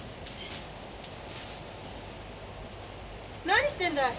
何してんだい？